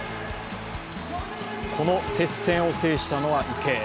この接戦を制したのは池江。